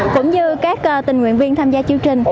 cũng như các tình nguyện viên tham gia chương trình